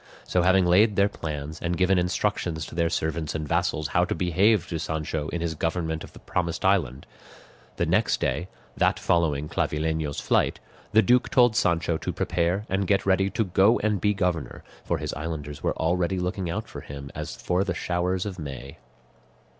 So having laid their plans and given instructions to their servants and vassals how to behave to Sancho in his government of the promised island, the next day, that following Clavileño's flight, the duke told Sancho to prepare and get ready to go and be governor, for his islanders were already looking out for him as for the showers of May.